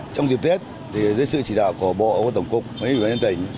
trong dịp tết dưới sự chỉ đạo của bộ tổng cục nguyễn văn yên tỉnh